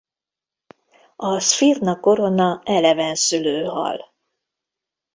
A Sphyrna corona elevenszülő hal.